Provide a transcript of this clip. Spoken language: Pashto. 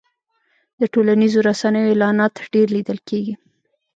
د ټولنیزو رسنیو اعلانات ډېر لیدل کېږي.